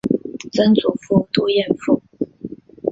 曾祖父杜彦父。